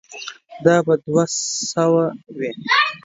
دا به دوه سوه وي.